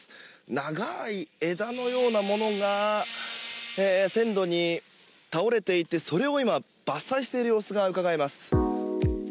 長い枝のようなものが線路に倒れていてそれを今、伐採している様子がうかがえます。